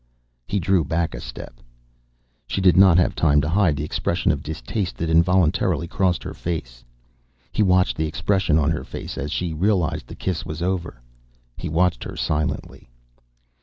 He drew back a step. She did not have time to hide the expression of distaste that involuntarily crossed her face. He watched the expression on her face as she realized the kiss was over. He watched her silently.